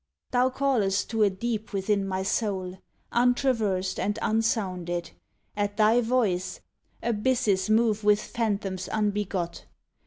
Thou callest to a deep within my soul — Untraversed and unsounded; at thy voice Abysses move with phantoms unbegot.